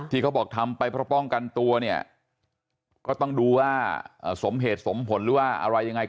เขาบอกทำไปเพราะป้องกันตัวเนี่ยก็ต้องดูว่าสมเหตุสมผลหรือว่าอะไรยังไง